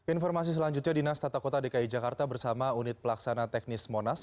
informasi selanjutnya dinas tata kota dki jakarta bersama unit pelaksana teknis monas